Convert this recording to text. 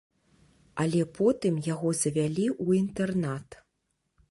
Але потым яго завялі ў інтэрнат.